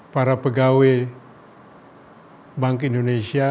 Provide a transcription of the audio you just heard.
para pegawai bank indonesia